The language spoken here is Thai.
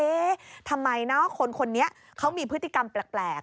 เอ๊ะทำไมคนนี้เขามีพฤติกรรมแปลก